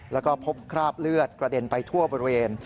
แล้วก็พบคราบเลือดกระเด็นไปทั่วบริเวณ